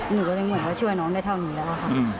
หนูก็เลยเหมือนว่าช่วยน้องได้เท่านี้แล้วค่ะ